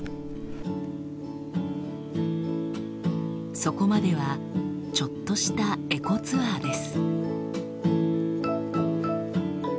そこまではちょっとしたエコツアーです。